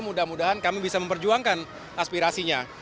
mudah mudahan kami bisa memperjuangkan aspirasinya